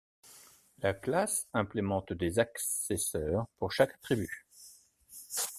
La classe implémente des accesseurs pour chaque attribut.